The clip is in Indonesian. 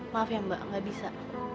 maaf ya mbak nggak bisa